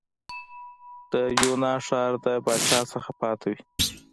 د یونا ښار د پاچا څخه پاتې وې.